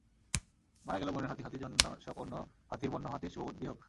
মারা গেল বনের হাতি, হাতির জন্য শোকঅন্য হাতির বন্য হাতির শুভবুদ্ধি হোক।